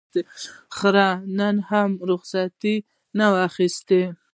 خره نن هم رخصتي نه ده اخیستې.